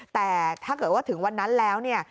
แต่ถ้าเกิดว่าถึงวันนั้นแล้วเนี่ย